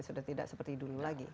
sudah tidak seperti dulu lagi